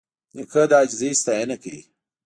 نیکه د عاجزۍ ستاینه کوي.